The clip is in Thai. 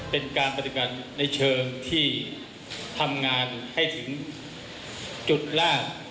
เป็นการปฏิบัติในเชิงที่ทำงานให้ถึงจุดแรก